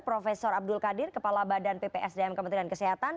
prof abdul qadir kepala badan ppsdm kementerian kesehatan